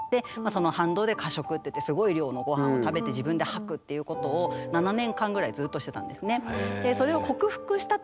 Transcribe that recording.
その反動で過食っていってすごい量のごはんを食べて自分で吐くっていうことを７年間ぐらいずっとしてたんですね。